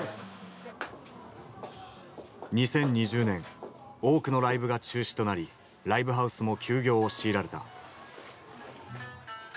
２０２０年多くのライブが中止となりライブハウスも休業を強いられた。